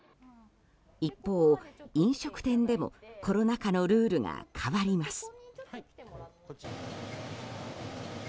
一方、飲食店でもコロナ禍のルールが変わります。